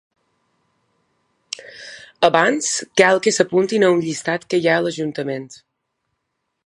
Abans, cal que s’apuntin a un llistat que hi ha a l’ajuntament.